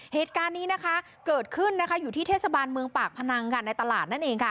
เหตุการณ์นี้นะคะเกิดขึ้นนะคะอยู่ที่เทศบาลเมืองปากพนังค่ะในตลาดนั่นเองค่ะ